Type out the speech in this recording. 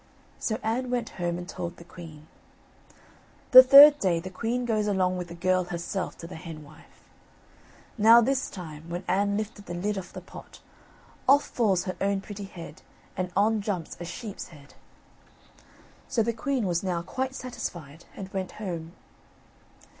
So Anne went home and told the queen. The third day the queen goes along with the girl herself to the henwife. Now, this time, when Anne lifted the lid off the pot, off falls her own pretty head, and on jumps a sheep's head. So the queen was now quite satisfied, and went back home.